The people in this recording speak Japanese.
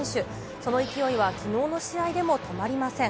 その勢いはきのうの試合でも止まりません。